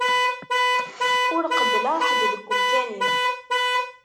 Ur qebbleɣ ḥedd deg umkan-im.